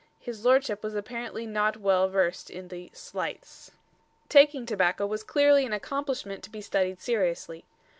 His lordship was apparently not well versed in the "slights." Taking tobacco was clearly an accomplishment to be studied seriously.